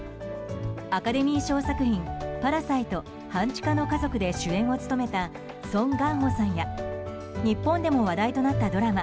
アカデミー賞作品「パラサイト半地下の家族」で主演を務めたソン・ガンホさんや日本でも話題となったドラマ